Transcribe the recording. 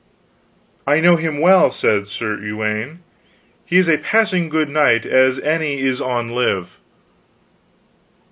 "I know him well, said Sir Uwaine, he is a passing good knight as any is on live."